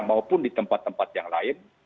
maupun di tempat tempat yang lain